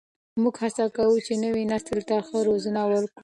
موږ هڅه کوو چې نوي نسل ته ښه روزنه ورکړو.